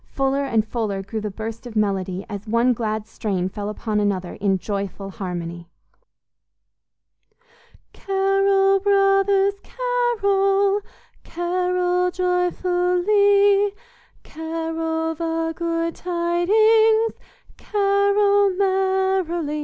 Fuller and fuller grew the burst of melody as one glad strain fell upon another in joyful harmony: "Carol, brothers, carol, Carol joyfully, Carol the good tidings, Carol merrily!